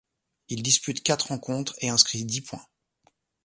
Il dispute quatre rencontres et inscrit dix points.